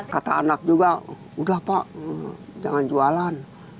kata anak juga udah pak jangan jualan